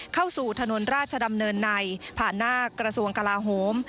เข้าสู่ถนนราชดำเนินในผ่านหน้ากระทรวงกลาโฮม